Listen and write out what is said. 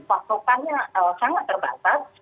pasokannya sangat terbatas